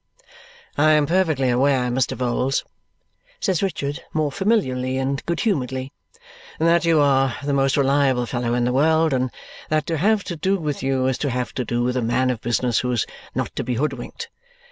"I am perfectly aware, Mr. Vholes," says Richard, more familiarly and good humouredly, "that you are the most reliable fellow in the world and that to have to do with you is to have to do with a man of business who is not to be hoodwinked.